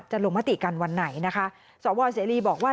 จะลงมติกันวันไหนสวเสรีบอกว่า